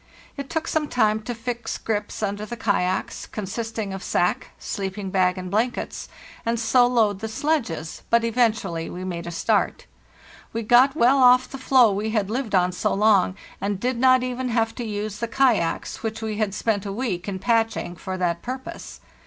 It took some time to fix grips under the kayaks, consisting of sack, sleep ing bag, and blankets, and so load the sledges; but eventually we made a start. We got well off the floe we had lived on so long, and did not even have to use the kayaks which we had spent a week in patching for that purpose.